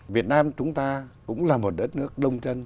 việt nam chúng ta cũng là một đất nước đông dân